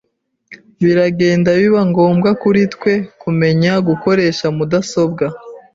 Biragenda biba ngombwa kuri twe kumenya gukoresha mudasobwa.